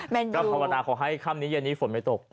พราวราชราติขอให้ค่ำนี้เย็นนี้ฝนไม่ตก